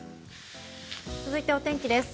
続いてお天気です。